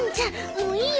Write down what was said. もういいよ。